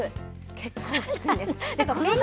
結構きついです。